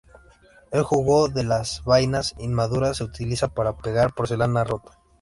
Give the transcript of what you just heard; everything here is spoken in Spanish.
El jugo de las vainas inmaduras se utiliza para pegar porcelana rota.